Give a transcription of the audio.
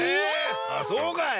あっそうかい。